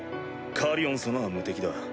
カリオン様は無敵だ。